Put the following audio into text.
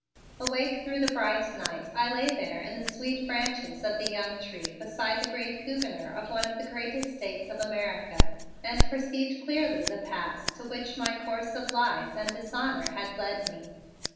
Awake through the bright night, I lay there in the sweet branches of the young tree beside the great Gouverneur of one of the greatest states of America and perceived clearly the pass to which my course of lies and dishonor had led me.